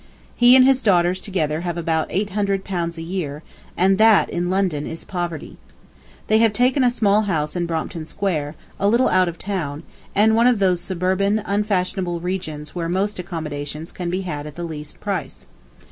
He and his daughters together have about eight hundred pounds a year, and that in London is poverty. They have taken a small house in Brompton Square, a little out of town, and one of those suburban, unfashionable regions where the most accommodations can be had at the least price.